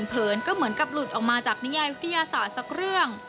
เผินก็เหมือนกับหลุดออกมาจากนิยายวิทยาศาสตร์สักเรื่อง